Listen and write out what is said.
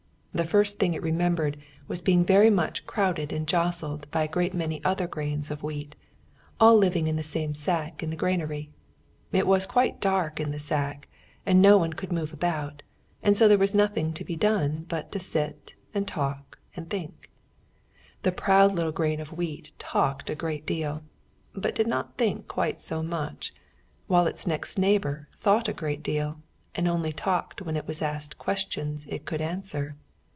The first thing it remembered was being very much crowded and jostled by a great many other grains of wheat, all living in the same sack in the granary. It was quite dark in the sack, and no one could move about, and so there was nothing to be done but to sit still and talk and think. The proud little grain of wheat talked a great deal, but did not think quite so much, while its next neighbour thought a great deal and only talked when it was asked questions it could answer.